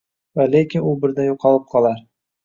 Va lekin u birdan yo’qolib qolar